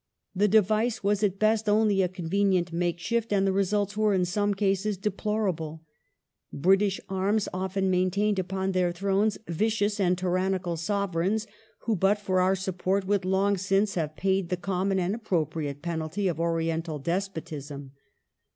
The device was at best only a convenient makeshift, and the results were in some cases deplorable. British arms often main tained upon their thrones vicious and tyrannical Sovereigns, who, but for our support, would long since have paid the common and appropriate penalty of Oriental despotism.